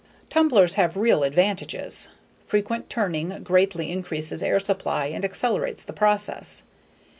Tumblers have real advantages. Frequent turning greatly increases air supply and accelerates the process.